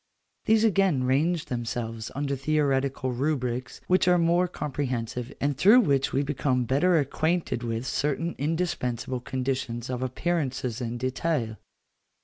These again range themselves under theoretical rubrics which are more comprehensive, and through which we become better acquainted with certain indispensable conditions of appearances in detail.